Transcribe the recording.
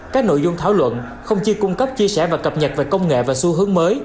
các nội dung thảo luận không chi cung cấp chia sẻ và cập nhật về công nghệ và xu hướng mới